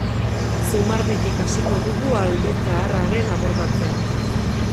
Zumarditik hasiko dugu alde zaharraren abordatzea.